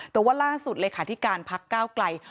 แต่ว่าล่าสุดเลขาธิการพักก้าวไกล